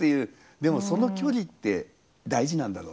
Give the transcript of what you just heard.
でもその距離って大事なんだろうね多分。